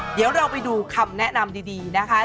เดี๋ยวเราไปดูคำแนะนำดีนะคะ